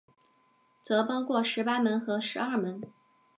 则包括十八门和十二门。